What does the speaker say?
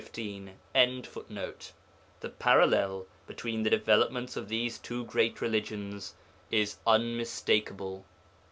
] The parallel between the developments of these two great religions is unmistakable.